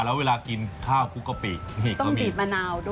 แล้วเวลากินข้าวคุกกะปิต้องปีบมะนาวด้วย